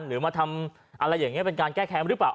หรือมาทำอะไรอย่างนี้เป็นการแก้แค้นหรือเปล่า